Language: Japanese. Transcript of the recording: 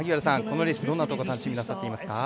このレースどんなとこ楽しみになさっていますか？